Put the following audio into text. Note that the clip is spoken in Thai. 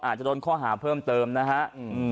อาจจะโดนข้อหาเพิ่มเติมนะฮะ